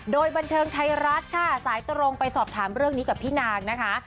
โดยบันเทิงไทยรัฐค่ะสายตรงไปสอบถามเรื่องนี้กับพี่นางนะคะ